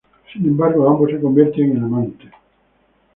Sin embargo, ambos se convierten en amantes.